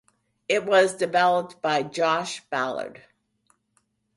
It was developed by Josh Ballard.